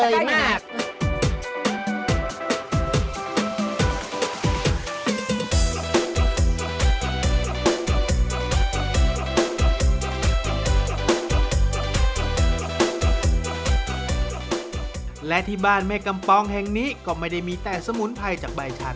และที่บ้านแม่กำปองแห่งนี้ก็ไม่ได้มีแต่สมุนไพรจากใบชัน